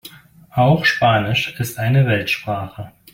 Auch Spanisch ist eine Weltsprache.